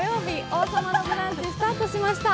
「王様のブランチ」スタートしました。